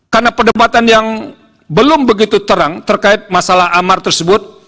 karena perdebatan yang belum begitu terang terkait masalah amar tersebut